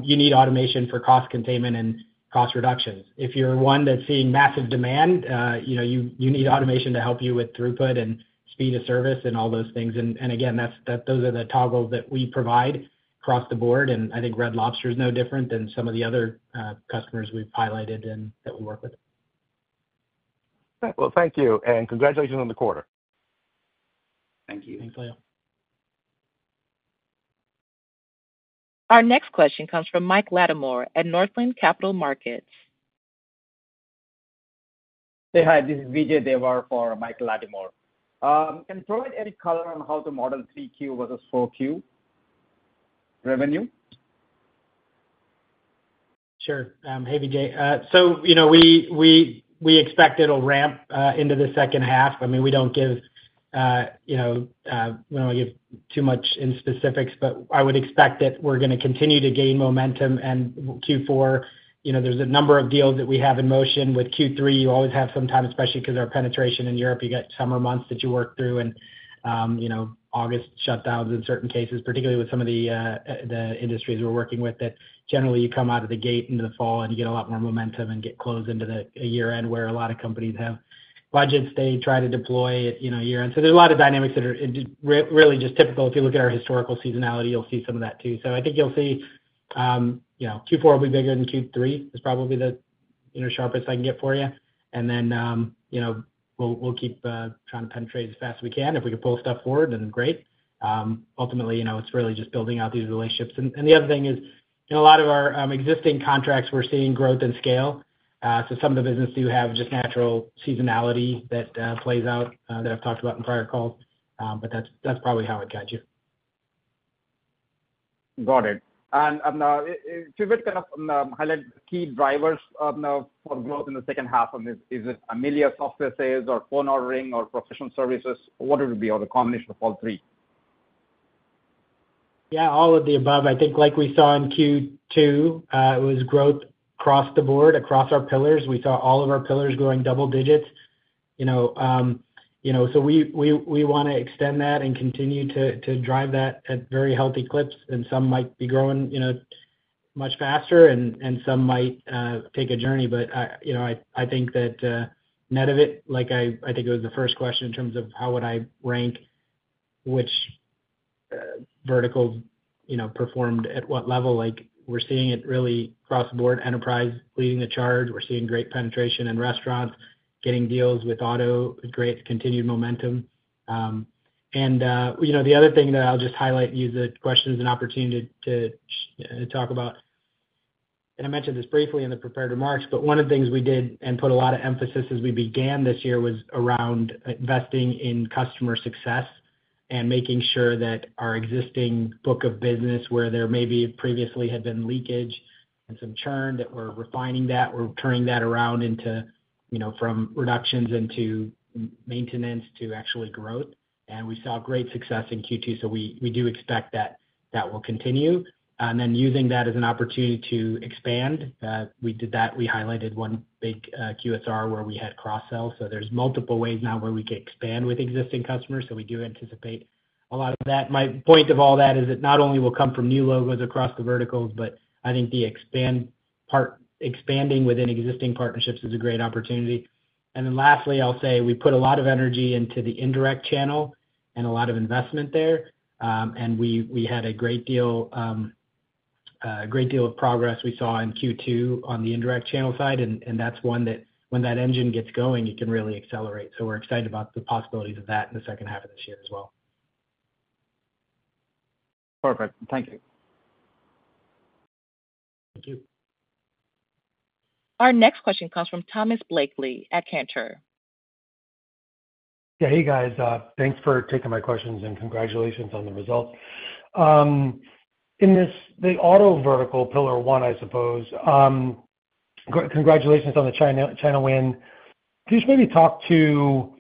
you need automation for cost containment and cost reduction. If you're one that's seeing massive demand, you need automation to help you with throughput and speed of service and all those things. Those are the toggles that we provide across the board. I think Red Lobster is no different than some of the other customers we've highlighted and that we'll work with. Thank you and congratulations on the quarter. Thank you. Thanks, Leo. Our next question comes from Mike Latimore at Northland Capital Markets. Hi, this is Vijay Devar for Michael Latimore. Can you provide any color on how to model 3Q versus 4Q revenue? Sure. Hey, Vijay. We expect it'll ramp into the second half. We don't give too much in specifics, but I would expect that we're going to continue to gain momentum in Q4. There's a number of deals that we have in motion. With Q3, you always have some time, especially because our penetration in Europe, you have summer months that you work through and August shutdowns in certain cases, particularly with some of the industries we're working with. Generally, you come out of the gate into the fall and you get a lot more momentum and get close into the year end, where a lot of companies have budgets they try to deploy year end. There's a lot of dynamics that are really just typical. If you look at our historical seasonality, you'll see some of that too. I think you'll see Q4 will be bigger than Q3 is probably the sharpest I can get for you. We'll keep trying to penetrate as fast as we can. If we can pull stuff forward, then great. Ultimately, it's really just building out these relationships. The other thing is a lot of our existing contracts, we're seeing growth and scale. Some of the business do have just natural seasonality that plays out that I've talked about in prior calls, but that's probably how it got. You. Got it. And. Highlight key drivers for growth in the second half. Is it Amelia's offices or phone ordering or professional services? What would it be? Or the combination of all three? Yeah, all of the above. I think like we saw in Q2, it was growth across the board, across our pillars. We saw all of our pillars growing double digits, so we want to extend that and continue to drive that at very healthy clips. Some might be growing much faster and some might take a journey. I think that net of it, like, I think it was the first question in terms of how would I rank which vertical performed at what level. We're seeing it really crossboard, enterprise leading the charge. We're seeing great penetration in restaurants. Getting deals with auto creates continued momentum. The other thing that I'll just highlight, use the questions and opportunity to talk about, and I mentioned this briefly in the prepared remarks, but one of the things we did and put a lot of emphasis as we began this year was around investing in customer success and making sure that our existing book of business, where there maybe previously had been leakage and some churn, that we're refining that, we're turning that around from reductions into maintenance to actually growth. We saw great success in Q2. We do expect that will continue, and then using that as an opportunity to expand. We did that. We highlighted one big QSR where we had cross sell. There are multiple ways now where we can expand with existing customers. We do anticipate a lot of that. My point of all that is it not only will come from new logos across the vertical, but I think the expand part, expanding within existing partnerships, is a great opportunity. Lastly, I'll say we put a lot of energy into the indirect channel and a lot of investment there. We had a great deal of progress we saw in Q2 on the indirect channel side. That's one that when that engine gets going it can really accelerate. We're excited about the possibilities of that in the second half of this year as well. Perfect. Thank you. Thank you. Our next question comes from Thomas Blakey at Cantor. Hey guys, thanks for taking my questions, and congratulations on the results. In this. The auto vertical pillar one. I suppose congratulations on the China win. Please maybe talk to,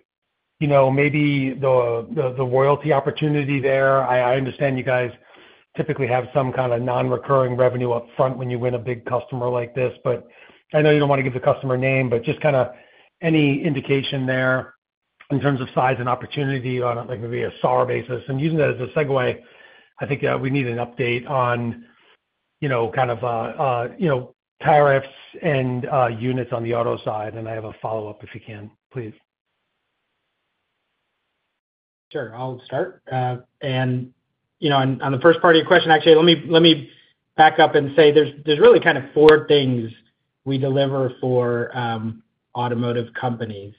you know, maybe the royalty opportunity there. I understand you guys typically have some kind of non-recurring revenue up front when you win a big customer like. I know you don't want this. To give the customer name but just kind of any indication there in terms of size and opportunity on like maybe a SAAR basis, and using that as a segue, I think we need an update on. You know, tariffs. Units on the auto side, I have a follow up if you can please. Sure, I'll start. On the first part of your question, let me back up and say there's really kind of four things we deliver for automotive companies.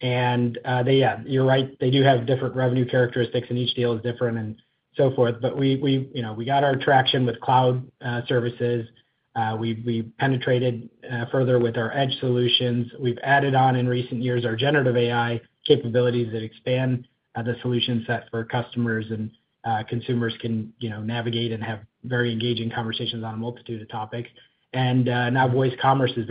You're right, they do have different revenue characteristics and each deal is different and so forth. We got our traction with cloud services. We penetrated further with our edge solutions. We've added on in recent years our generative AI capabilities that expand the solution set for customers, and consumers can navigate and have very engaging conversations on a multitude of topics. Now, voice commerce is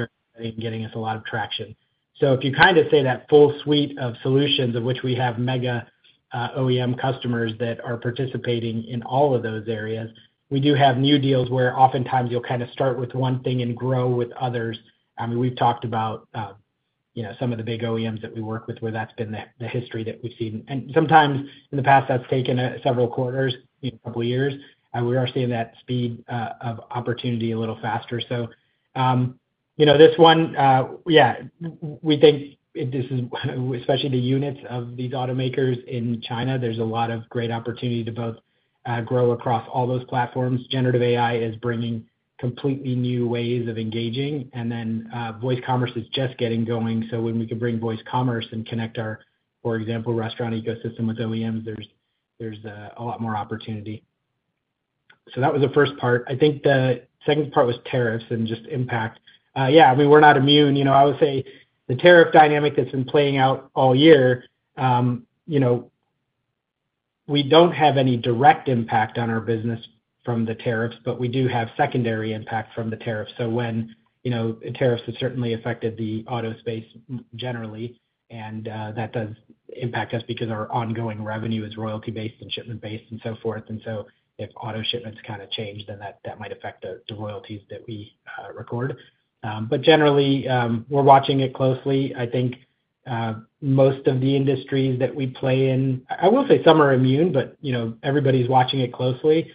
getting us a lot of traction. If you kind of say that. Full suite of solutions of which we. have mega OEM customers that are participating in all of those areas. We do have new deals where oftentimes you'll kind of start with one thing and grow with others. I mean, we've talked about, you know, some of the big OEMs that we work with, where that's been the history that we've seen, and sometimes in the past that's taken several quarters, a couple years, and we are seeing that speed of opportunity a little faster. This one, yeah, we think this is especially the units of these automakers in China. There's a lot of great opportunity to both grow across all those platforms. Generative AI is bringing completely new ways of engaging, and then voice commerce is just getting going. When we can bring voice commerce and connect our, for example, restaurant ecosystem with OEMs, there's a lot more opportunity. That was the first part. I think the second part was tariffs and just impact. We're not immune. I would say the tariff dynamic that's been playing out all year, we don't have any direct impact on our business from the tariffs, but we do have secondary impact from the tariffs. Tariffs have certainly affected the auto space generally, and that does impact us because our ongoing revenue is royalty based and shipment based and so forth. If auto shipments kind of change, then that might affect the royalties that we record. Generally, we're watching it closely. I think most of the industries that we play in, I will say some are immune, but everybody's watching it closely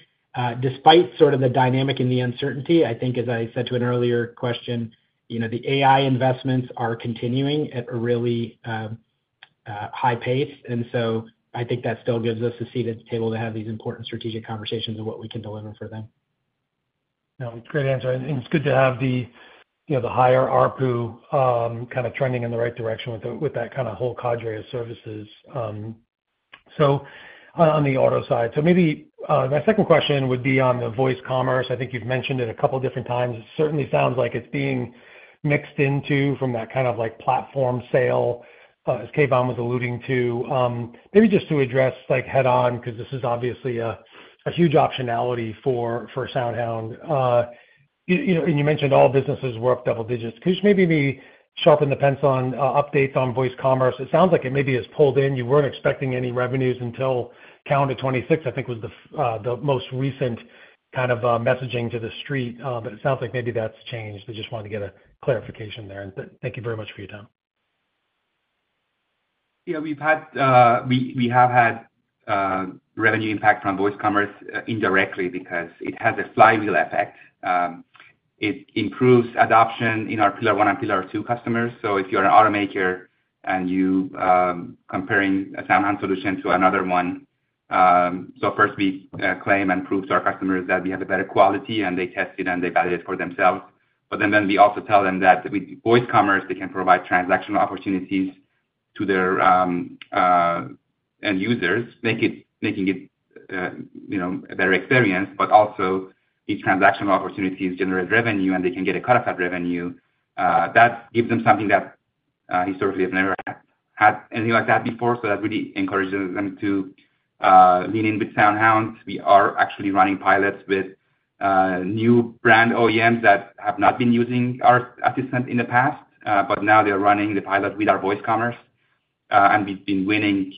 despite the dynamic and the uncertainty. As I said to an earlier question, the AI investments are continuing at a really high pace. I think that still gives us a seat at the table to have these important strategic conversations of what we can deliver for them. Great answer. It's good to have the higher ARPU kind of trending in the right direction with that kind of whole cadre of services. On the auto side, my second question would be on the voice commerce. I think you've mentioned it a couple of different times. It certainly sounds like it's being mixed into that kind of platform sale as Keyvan was alluding to. Maybe just to address head on because this is obviously a huge optionality for SoundHound AI and you mentioned all. Businesses were up double digits. Could you maybe sharpen the pencil on updates on voice commerce? It sounds like it maybe has pulled in. You weren't expecting any revenues until calendar 2026 I think was the most recent kind of messaging to the street. It sounds like maybe that's changed. I just wanted to get a clarification there, and thank you very much for your time. Yeah, we have had revenue impact from voice commerce indirectly because it has a flywheel effect. It improves adoption in our pillar one. Pillar two customers. If you're an automaker and you're comparing a SoundHound solution to another one, we claim and prove to our customers that we have better quality and they test it and validate for themselves. Then we also tell them that with voice commerce they can provide transactional opportunities to their end users, making it a better experience. Each transactional opportunity generates revenue and they can get a cut of that revenue, which gives them something that historically they've never had anything like that before. That really encourages them to lean in with SoundHound. We are actually running pilots with new brand OEMs that have not been using our assistant in the past, but now they're running the pilot with our voice commerce and we've been winning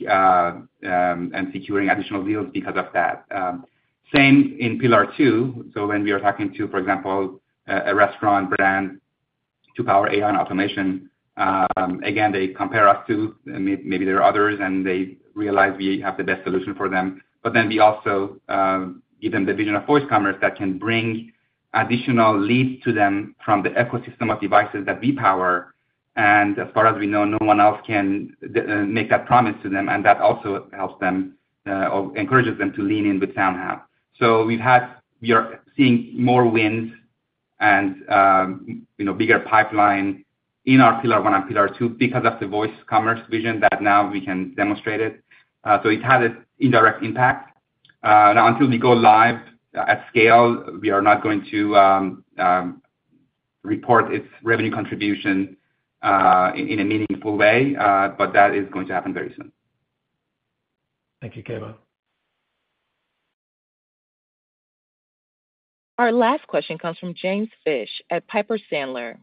and securing additional deals because of that. Same in pillar two, when we are talking to, for example, a restaurant brand to power AI and automation. Again, they compare us to maybe there are others and they realize we have the best solution for them. We also give them the vision of voice commerce that can bring additional leads to them from the ecosystem of devices that we power. As far as we know, no one else can make that promise to them. That also helps them or encourages. Them to lean in with SoundHound. We have had, you're seeing more wins and bigger pipeline in our pillar one and pillar two because of the voice commerce vision that now we can demonstrate it. It had an indirect impact. Until we go live at scale, we are not going to. Report its revenue. Contribution in a meaningful way. That is going to happen very soon. Thank you, Keyvan. Our last question comes from James Fish at Piper Sandler.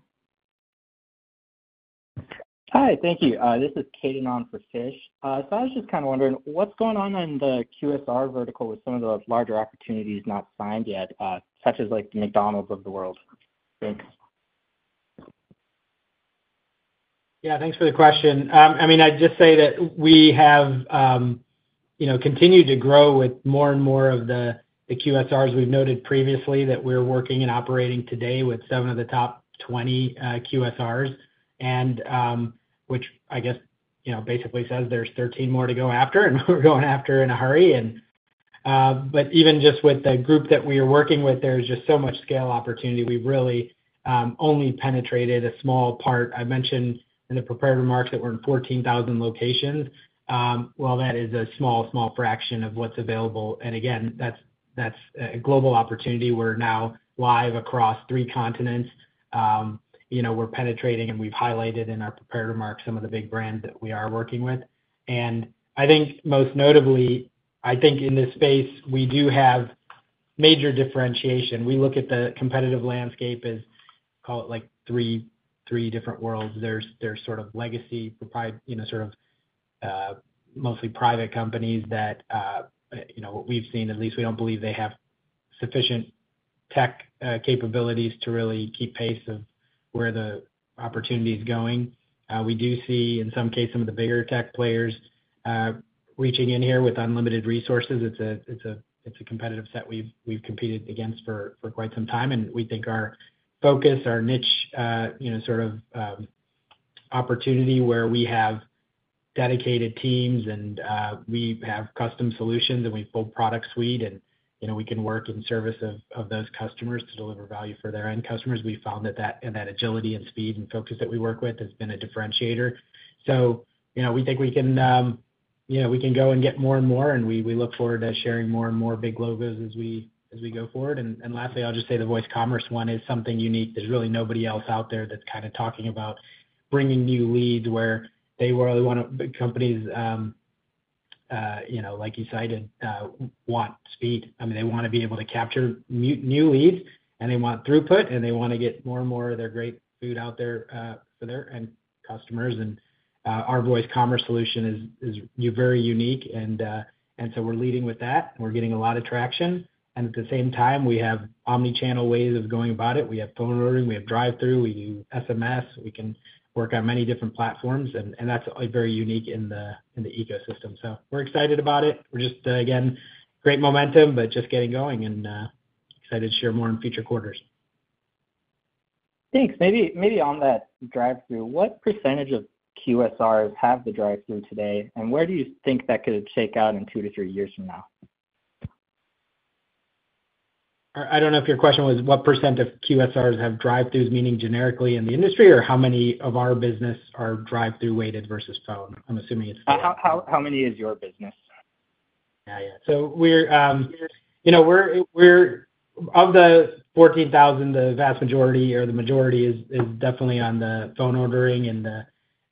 Hi, thank you. This is Keyvan Mohajer for SoundHound AI. I was just kind of wondering what's going on in the QSR vertical. With some of the larger opportunities, not. Signed yet, such as like McDonald's of the world. Thanks. Yeah, thanks for the question. I mean, I'd just say that we have continued to grow with more and more of the QSRs. We've noted previously that we're working and operating today with seven of the top 20 QSRs, which I guess basically says there's 13 more to go after, and we're going after in a hurry. Even just with the group that we are working with, there is just so much scale opportunity. We really only penetrated a small part. I mentioned in the prepared remarks that we're in 14,000 locations. That is a small, small fraction of what's available. Again, that's a global opportunity. We're now live across three continents. We're penetrating, and we've highlighted in our prepared remarks some of the. Big brands that we are working with. I think most notably in this space we do have major differentiation. We look at the competitive landscape as, call it, like three different worlds. There are sort of legacy, mostly private companies that, at least as we've seen, we don't believe have sufficient tech capabilities to really keep pace with where the opportunity is going. In some cases, we do see some of the bigger tech players reaching in here with unlimited resources. It's a competitive set we've competed against for quite some time, and we think our focus, our niche opportunity, where we have dedicated teams and custom solutions and a full product suite, allows us to work in service of those customers to deliver value for their end customers. We found that agility, speed, and focus that we work with has been different. We think we can go and get more and more, and we look forward to sharing more and more big logos as we go forward. Lastly, I'll just say the voice commerce one is something unique. There's really nobody else out there that's talking about bringing new leads where they really want to. Companies, like you cited, want speed. They want to be able to capture new leads, they want throughput, and they want to get more and more of their great food out there for their end customers. Our voice commerce solution is very unique, and we're leading with that. We're getting a lot of traction, and at the same time, we have omnichannel ways of going about it. We have phone ordering, we have drive-thru, we do SMS. We can work on many different platforms, and that's very unique in the ecosystem. We're excited about it. We have great momentum but are just getting going and excited to share more in future quarters. Thanks. Maybe on that drive-thru, what. Percentage of QSRs have the drive-thru. Today and where do you think that could shake out in two to three years from now? I don't know if your question was what % of QSRs have drive-thrus. Meaning generically in the industry or how? Many of our business are drive-thru weighted versus phone. I'm assuming it's how many is your business. We're of the 14,000. The vast majority or the majority is definitely on the phone ordering, and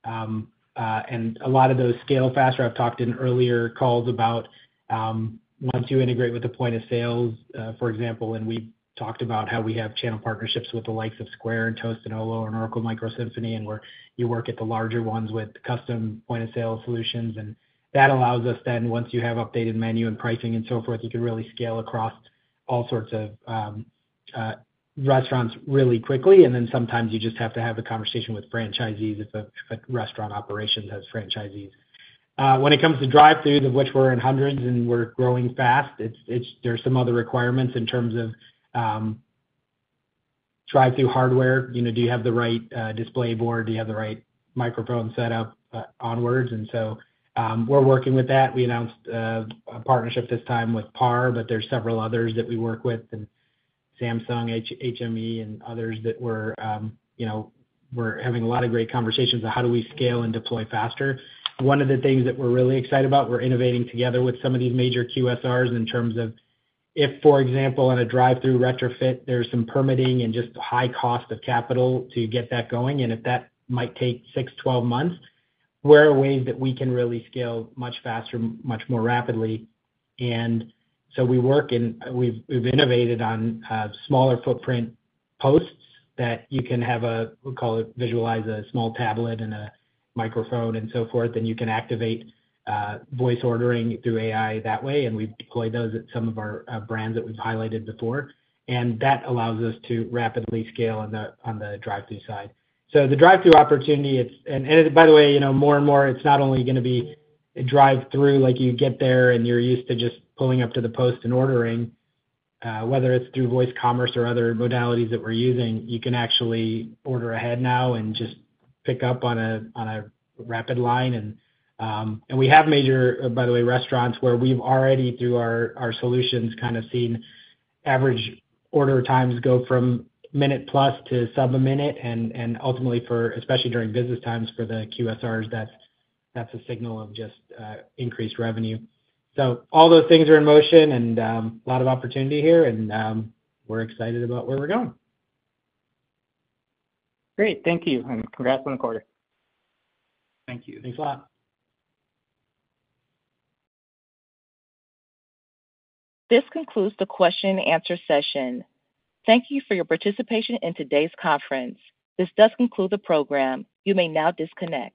a lot of those scale faster. I've talked in earlier calls about once you integrate with the point of sales, for example, and we talked about how we have channel partnerships with the likes of Square and Toast and Olo and Oracle MICROS, and where you work at the larger ones with custom point of sale solutions. That allows us then, once you have updated menu and pricing and so forth, you can really scale across all sorts of restaurants really quickly. Sometimes you just have to have a conversation with franchisees if a restaurant operations has franchisees. When it comes to drive thrus of. Which we're in hundreds, and we're growing. Fast, there's some other requirements in terms. Of. Drive-thru hardware. Do you have the right display board, do you have the right microphone setup, and so we're working with that. We announced a partnership this time with PAR, but there are several others that we work with, Samsung, HME, and others. We're having a lot of great conversations on how do we scale and deploy faster. One of the things that we're really excited about, we're innovating together with some of these major QSRs in terms of if, for example, on a drive-thru retrofit, there's some permitting and just high cost of capital to get that going, and if that might take 6–12 months, we're a way that we can really scale much faster, much more rapidly. We work and we've innovated on smaller footprint posts that you can have, we'll call it, visualize a small tablet and a microphone and so forth, and you can activate voice ordering through AI that way. We've deployed those at some of our brands that we've highlighted before, and that allows us to rapidly scale on the drive-thru side. The drive-thru opportunity, and by the way, more and more it's not only going to be drive-thru like you get there and you're used to just pulling up to the post and ordering, whether it's through voice commerce or other modalities that we're using, you can actually order ahead now and just pick up on a rapid line. We have major, by the way, restaurants where we've already, through our solutions, kind of seen average order times go from minute plus to sub a minute, and ultimately, especially during business times for the QSRs, that's a signal of just increased revenue. All those things are in motion and a lot of opportunity here, and we're excited about where we're going. Great. Thank you. Congratulations on the quarter. Thank you. Thanks a lot. This concludes the question and answer session. Thank you for your participation in today's conference. This does conclude the program. You may now disconnect.